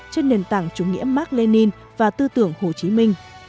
trên nền tảng chủ nghĩa mark lenin và tư tưởng hồ chí minh